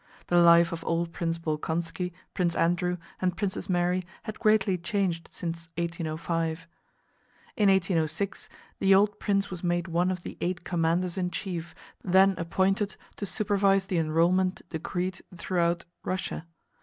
The life of old Prince Bolkónski, Prince Andrew, and Princess Mary had greatly changed since 1805. In 1806 the old prince was made one of the eight commanders in chief then appointed to supervise the enrollment decreed throughout Russia.